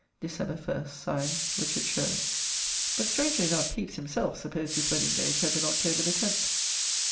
December 1st. (Signed) Ri. Sherwin."] but strangely enough Pepys himself supposed his wedding day to have been October 10th.